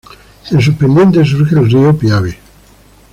En sus pendientes surge el río Piave.